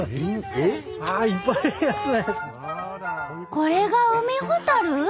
これがウミホタル？